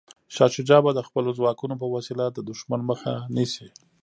شاه شجاع به د خپلو ځواکونو په وسیله د دښمن مخه نیسي.